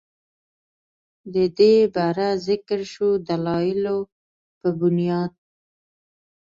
ددې بره ذکر شوو دلايلو پۀ بنياد